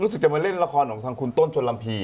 รู้สึกจะมาเล่นละครของคุณต้นจนรำพีอ่ะ